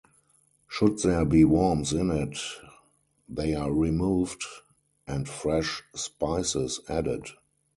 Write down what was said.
Should there be worms in it, they are removed and fresh spices added.